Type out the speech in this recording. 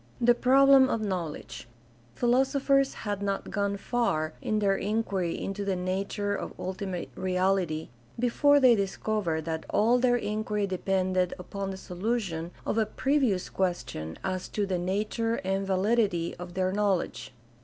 The problem of knowledge. — Philosophers had not gone far in their inquiry into the nature of ultimate reality before they discovered that all their inquiry depended upon the solu tion of a previous question as to the nature and validity of their knowledge.